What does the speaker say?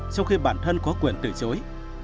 trong khi bản thân có quyền từ chối